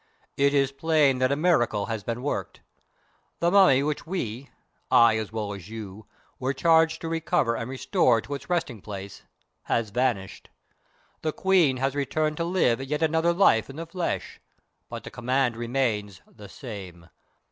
"It is plain that a miracle has been worked. The Mummy which we I as well as you were charged to recover and restore to its resting place, has vanished. The Queen has returned to live yet another life in the flesh, but the command remains the same.